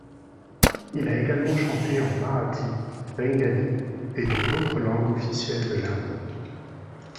Il a également chanté en marathi, bengali et dans d'autres langues officielles de l'Inde.